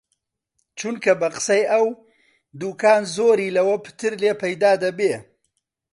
چونکە بە قسەی ئەو، دووکان زۆری لەوە پتر لێ پەیدا دەبێ